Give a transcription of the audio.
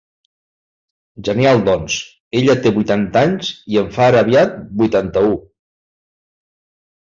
Genial doncs, ella té vuitanta anys, en fa ara aviat vuitanta-u.